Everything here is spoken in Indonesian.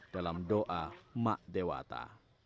dalam doa mak dewata